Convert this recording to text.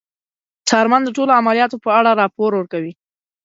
څارمن د ټولو عملیاتو په اړه راپور ورکوي.